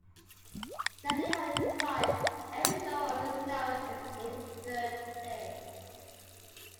Natalie Hurley replies, Every show on this network is in third place.